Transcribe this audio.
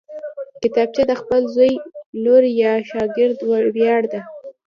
کتابچه د خپل زوی، لور یا شاګرد ویاړ ده